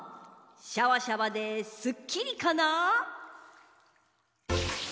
シャワシャワですっきりかな？